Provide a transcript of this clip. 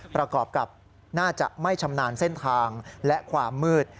ประกอบกับน่าจะไม่ชำนาญเส้นทางและความมืด